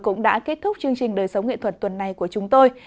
cũng đã kết thúc chương trình đời sống nghệ thuật tuần này của chúng tôi